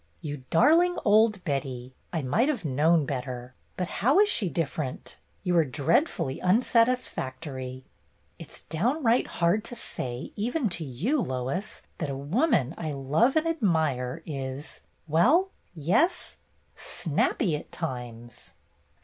"You darling old Betty! I might have known better. But how is she different ? You are dreadfully unsatisfactory." " It 's downright hard to say, even to you, Lois, that a woman I love and admire is — well, yes, snappy at times!"